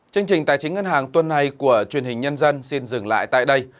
chương trình tài chính ngân hàng tuần này của truyền hình nhân dân xin dừng lại tại đây